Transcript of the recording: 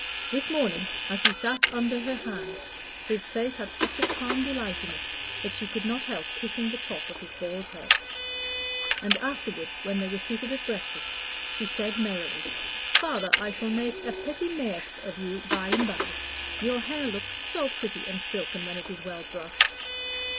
This morning, as he sat under her hands, his face had such a calm delight in it that she could not help kissing the top of his bald head; and afterward, when they were seated at breakfast, she said, merrily "Father, I shall make a petit maître of you by and by; your hair looks so pretty and silken when it is well brushed."